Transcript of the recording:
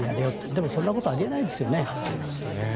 でもそんなことあり得ないですよね。